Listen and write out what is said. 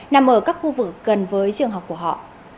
nằm ở các khu vực gần với trường học của họ